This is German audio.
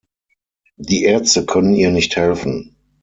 Die Ärzte können ihr nicht helfen.